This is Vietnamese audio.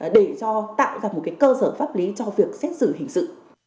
để tạo ra một cái cơ sở pháp lý cho việc xét xử hình sự